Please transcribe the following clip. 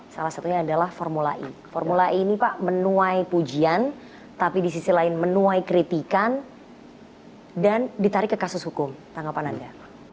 salah satunya adalah formula e formula e ini pak menuai pujian tapi di sisi lain menuai kritikan dan ditarik ke kasus hukum tanggapan anda